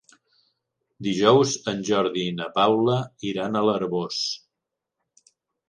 Dijous en Jordi i na Paula iran a l'Arboç.